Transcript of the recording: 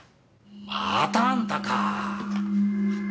まーたあんたか。